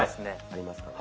ありますね。